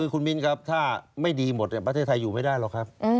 คุณมิ้นครับถ้าไม่ดีหมดประเทศไทยอยู่ไม่ได้หรอกครับ